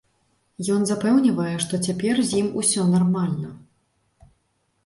Ён запэўнівае, што цяпер з ім усё нармальна.